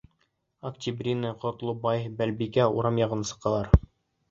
Октябрина, Ҡотлобай, Балбикә урам яғына сығалар.